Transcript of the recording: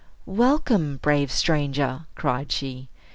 "Welcome, brave stranger!" cried she.